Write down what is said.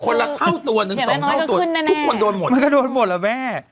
คนละเข้าตัวนึง๒เท่าตัวนึงทุกคนโดนหมดมันก็โดนหมดล่ะแม่